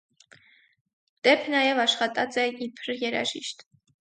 Տեփ նաեւ աշխատած է իբր երաժիշտ։